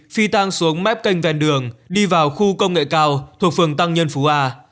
phi tăng xuống mép kênh vèn đường đi vào khu công nghệ cao thuộc phường tăng nhân phú a